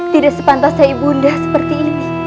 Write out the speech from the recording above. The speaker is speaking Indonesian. tidak sepantasnya ibu nda seperti ini